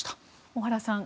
小原さん